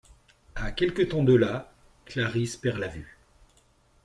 À quelque temps de là, Clarisse perd la vue...